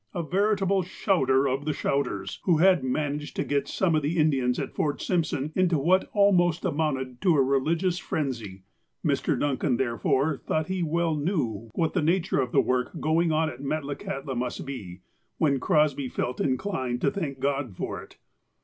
A veritable shouter of the shouters, who had managed to get some of the Indians at Fort Sim j)son into what almost amounted to a religious frenzy. Mr. Duncan, therefore, thought he well knew what the nature of the work going on at Metlakahtla must be, when Crosby felt inclined to thank God for it.